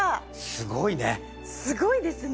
すごいねすごいですね